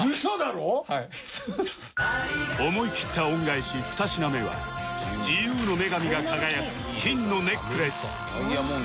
思い切った恩返し２品目は自由の女神が輝く金のネックレス